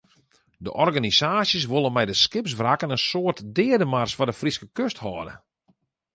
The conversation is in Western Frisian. De organisaasjes wolle mei de skipswrakken in soart deademars foar de Fryske kust hâlde.